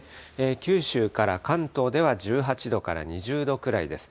九州から関東では１８度から２０度くらいです。